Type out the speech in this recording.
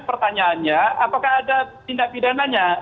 pertanyaannya apakah ada tindak pidananya